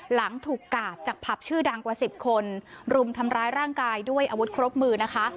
หลังถูกกาดจากผับชื่อดังกว่า๑๐คนรุมทำร้ายร่างกายด้วยอาวุธครบมือนะคะ